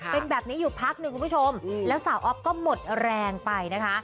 เป็นแบบนี้อยู่พักหนึ่งคุณผู้ชมแล้วสาวอ๊อฟก็หมดแรงไปนะคะ